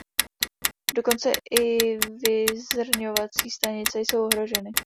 Dokonce i vyzrňovací stanice jsou ohroženy.